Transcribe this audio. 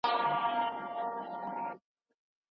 خامکي غاړه نه لرم نوې خولۍ نه لرم